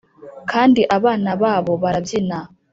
kandi abana babo barabyina